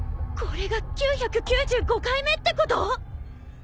これが９９５回目ってこと！？